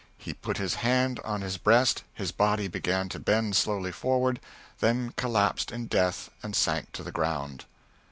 "He put his hand on his breast, his body began to bend slowly forward, then collapsed in death and sank to the ground."